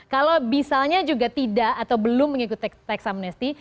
kalau misalnya juga tidak atau belum mengikuti tax amnesti